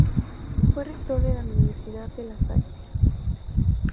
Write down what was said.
Fue Rector de la Universidad De La Salle.